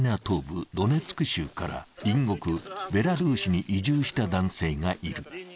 東部ドネツク州から隣国ベラルーシに移住した男性がいる。